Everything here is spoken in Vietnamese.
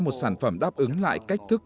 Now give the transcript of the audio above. một sản phẩm đáp ứng lại cách thức